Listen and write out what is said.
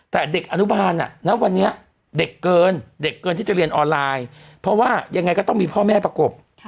แต่เด็กอนุบาลณวันนี้เด็กเกินเด็กเกินที่จะเรียนออนไลน์เพราะว่ายังไงก็ต้องมีพ่อแม่ประกบ